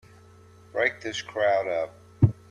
Break this crowd up!